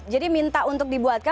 jadi minta untuk dibuatkan